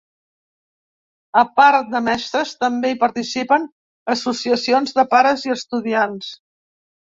A part de mestres, també hi participen associacions de pares i estudiants.